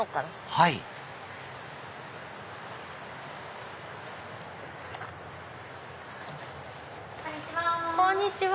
はいこんにちは。